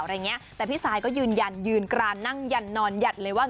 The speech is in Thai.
อะไรอย่างเงี้ยแต่พี่ซายก็ยืนยันยืนกรานนั่งยันนอนหยัดเลยว่า